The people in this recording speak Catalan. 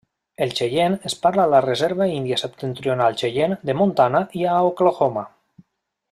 El xeiene es parla a la Reserva Índia Septentrional Xeiene de Montana i a Oklahoma.